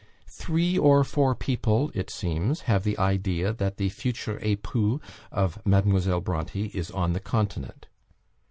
'Three or four people,' it seems, 'have the idea that the future epoux of Mademoiselle Bronte is on the Continent.'